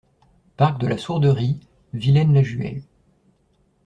Parc de la Sourderie, Villaines-la-Juhel